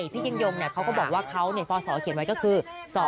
พี่ยังยงเขาก็บอกว่าเขาเนี่ยพศเขียนไว้ก็คือ๒๕๕๙